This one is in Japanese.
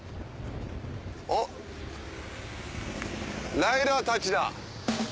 おっライダーたちだ！